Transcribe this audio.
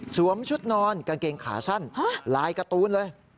ชุดนอนกางเกงขาสั้นลายการ์ตูนเลย